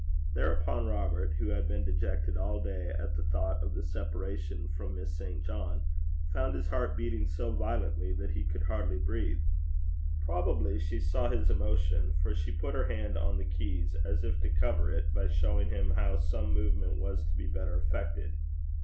Thereupon Robert, who had been dejected all day at the thought of the separation from Miss St. John, found his heart beating so violently that he could hardly breathe. Probably she saw his emotion, for she put her hand on the keys, as if to cover it by showing him how some movement was to be better effected.